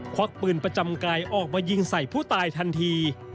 ควักปืนประจำกายออกมายิงใส่ผู้ตายทันที